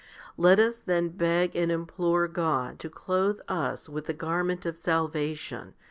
2 Let us then beg and implore God to clothe us \\ith the garment of salvation?